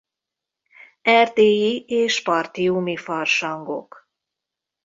Erdélyi és partiumi farsangok.